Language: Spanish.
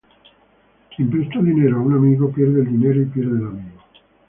Quien presta dinero a un amigo, pierde el dinero y pierde el amigo